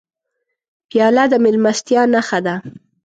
پیاله د میلمستیا نښه ده.